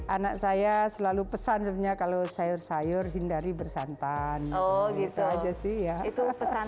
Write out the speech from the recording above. anak saya selalu pesan sebenarnya kalau sayur sayur hindari bersantan gitu aja sih ya itu